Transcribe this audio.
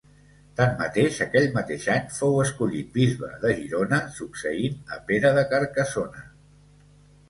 Tanmateix aquell mateix any fou escollit bisbe de Girona succeint a Pere de Carcassona.